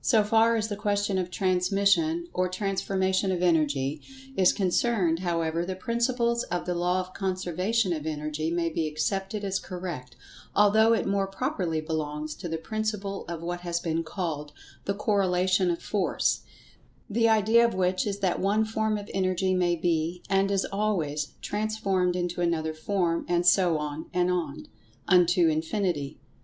So far as the question of transmission, or transformation of Energy, is concerned, however, the principles of the Law of Conservation of Energy may be accepted as correct, although it more properly belongs to the principle of what has been called "The Corelation of Force," the idea of which is that one form of Energy may be, and is always, transformed into another form, and so on, and on, unto infinity.